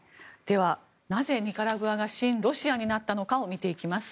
なぜ、ニカラグアが親ロシアになったのかを見ていきます。